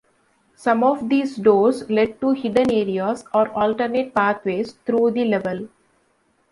Some of these doors lead to hidden areas or alternate pathways through the level.